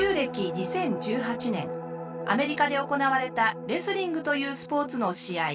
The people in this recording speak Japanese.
２０１８年アメリカで行われたレスリングというスポーツの試合。